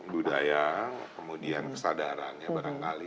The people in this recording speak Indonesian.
budaya kemudian kesadarannya barangkali